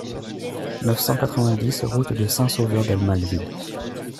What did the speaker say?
neuf cent quatre-vingt-dix route de Saint-Sauveur d'Emallevill